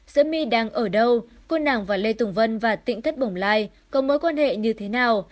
giữa my đang ở đâu cô nàng và lê tùng vân và tỉnh thất bồng lai có mối quan hệ như thế nào